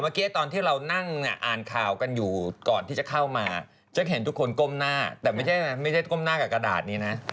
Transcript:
เมื่อกี้ตอนที่เรานั่งอ่านข่าวกันอยู่ก่อนที่จะเข้ามาฉันเห็นทุกคนก้มหน้าแต่ไม่ใช่ก้มหน้ากับกระดาษนี้นะ